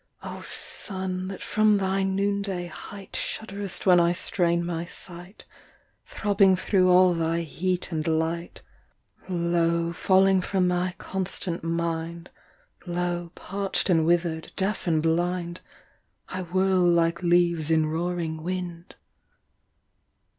O sun, that from thy noonday height Shudderest when I strain my sight, Throbbing thro’ all thy heat and light, Lo, falling from my constant mind, Lo, parch’d and wither’d, deaf and blind, I whirl like leaves in roaring wind.